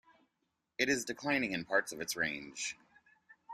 It is declining in parts of its range.